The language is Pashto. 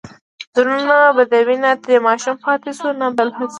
زړونه بدوي، نه ترې ماشوم پاتې شو، نه بل څوک.